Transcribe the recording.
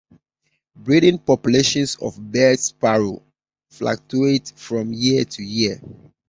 Breeding populations of Baird's sparrow fluctuate from year to year.